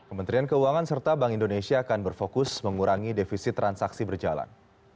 kementerian keuangan serta bank indonesia akan berfokus mengurangi defisit transaksi berjalan